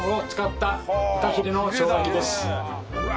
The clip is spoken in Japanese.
うわ！